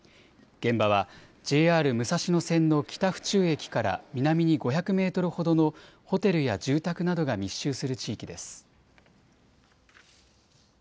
現場はＪＲ武蔵野線の北府中駅から南に５００メートルほどのホテルや住宅などが密集する地域です。